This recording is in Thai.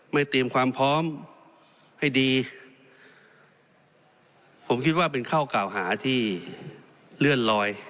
เตรียมความพร้อมให้ดีผมคิดว่าเป็นข้อกล่าวหาที่เลื่อนลอย